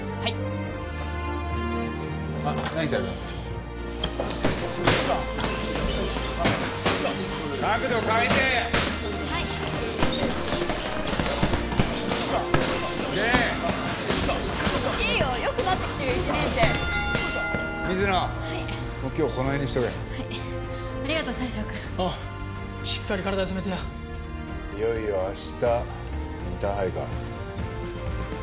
いよいよ明日インターハイか。